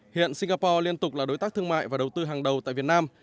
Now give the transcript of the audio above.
hiện singapore liên tục là đối tác thương mại và đầu tư hàng đầu tại việt nam